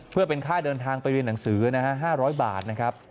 เพื่อเป็นค่าเดินทางไปเรียนหนังสือนะฮะ๕๐๐บาทนะครับ